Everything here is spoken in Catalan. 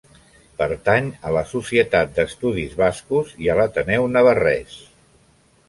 Pertany a la Societat d'Estudis Bascos i a l'Ateneu Navarrès.